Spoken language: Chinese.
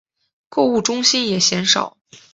购物中心也鲜少。